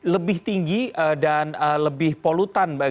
lebih tinggi dan lebih polutan